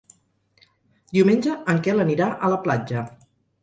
Diumenge en Quel anirà a la platja.